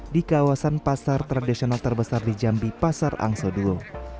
di kawasan pasar tradisional terbesar di jambi pasar angsoduo